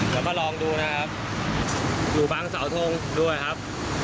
เดี๋ยวเราลองดูนะครับอยู่บ้านสาวทุกข์ด้วยครับ